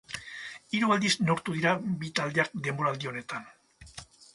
Hiru aldiz neurtu dira bi taldeak denboraldi honetan.